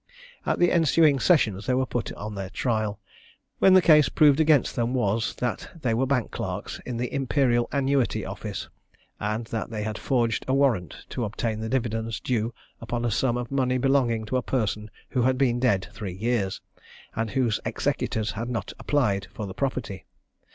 At the ensuing Sessions they were put on their trial, when the case proved against them was, that they were bank clerks in the Imperial Annuity Office, and that they had forged a warrant to obtain the dividends due upon a sum of money belonging to a person who had been dead three years, and whose executors had not applied for the property.